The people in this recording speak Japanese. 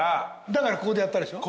だからここでやったでしょ？